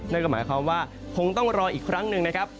นั่นก็หมายความว่าคงต้องรออีกครั้งหนึ่งนะครับ